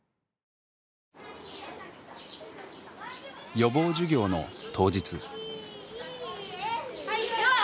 予防授業の当日。